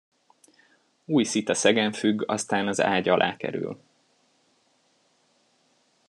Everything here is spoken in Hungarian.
Új szita szegen függ aztán az ágy alá kerül.